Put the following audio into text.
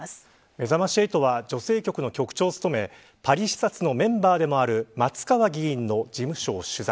めざまし８は女性局の局長を務めパリ視察のメンバーでもある松川議員の事務所を取材。